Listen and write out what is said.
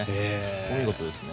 お見事ですね。